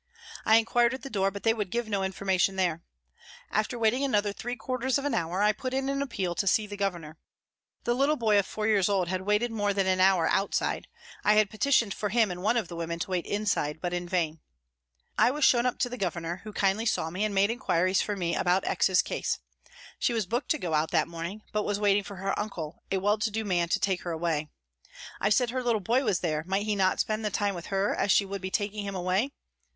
I inquired at the door, but they would give no information there. After waiting another three quarters of an hour I put in an appeal to see the Governor. The little boy of four years old had waited more than an hour outside, I had petitioned for him and one of the women to wait inside, but in vain. I was shown up to the Governor, who kindly saw me and made inquiries for me about X.'s case. She was booked to go out that morning, but was waiting for her uncle, a well to do man, to take her away. I said her little boy was there, might he not spend the time with her, as she would be taking him away.